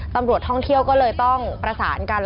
ตำรวจท่องเที่ยวก็เลยต้องประสานกัน